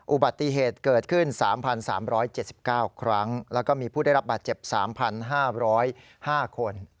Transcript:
อุบัติเหตุเกิดขึ้น๓๓๗๙ครั้งแล้วก็มีผู้ได้รับบาดเจ็บ๓๕๐๕คน